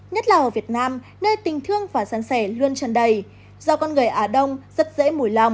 nhất là ở việt nam nơi tình thương và săn sẻ luôn tràn đầy do con người á đông rất dễ mùi lòng